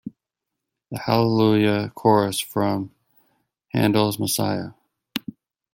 The Hallelujah Chorus from Handel's Messiah.